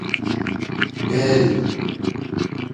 بېل